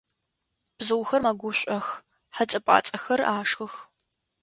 Бзыухэр мэгушӏох, хьэцӏэ-пӏацӏэхэр ашхых.